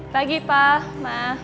bagai pak maaf